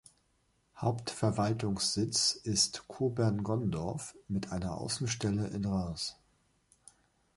Hauptverwaltungssitz ist Kobern-Gondorf, mit einer Außenstelle in Rhens.